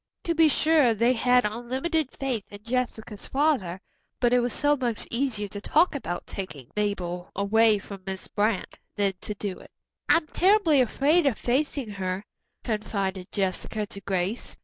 To be sure they had unlimited faith in Jessica's father, but it was so much easier to talk about taking Mabel away from Miss Brant than to do it. "I'm terribly afraid of facing her," confided Jessica to Grace.